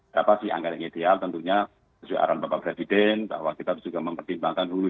dapat sianggan yang ideal tentunya sesuai arahan bapak presiden bahwa kita juga mempertimbangkan dulu dulu